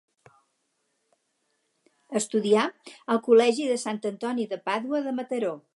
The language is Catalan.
Estudià al col·legi de Sant Antoni de Pàdua de Mataró.